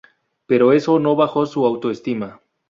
Pero eso no bajó su autoestima.